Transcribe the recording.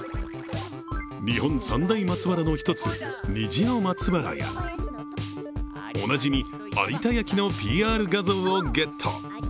日本三大松原の１つ、虹の松原やおなじみ、有田焼のＰＲ画像をゲット。